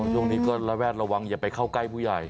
ช่วงนี้ก็ระแวดระวังอย่าไปเข้าใกล้ผู้ใหญ่